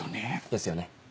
ですよね。